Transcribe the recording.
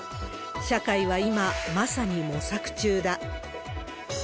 社会は今、まさに模索中だ。